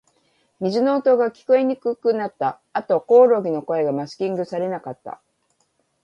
水の音が、聞こえにくくなった。あと、コオロギの声がマスキングされなかった。